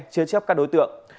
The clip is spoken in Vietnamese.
chứa chấp các đối tượng